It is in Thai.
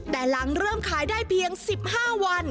แต่หลังเริ่มขายได้เพียง๑๕วัน